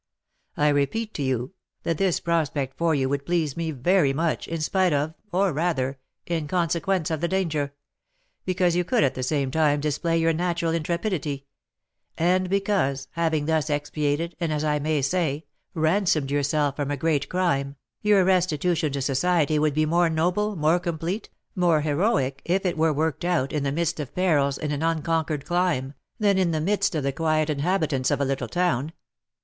I repeat to you, that this prospect for you would please me very much, in spite of, or, rather, in consequence of the danger; because you could at the same time display your natural intrepidity; and because, having thus expiated, and, as I may say, ransomed yourself from a great crime, your restitution to society would be more noble, more complete, more heroic, if it were worked out, in the midst of perils in an unconquered clime, than in the midst of the quiet inhabitants of a little town.